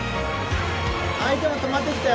相手も止まってきたよ。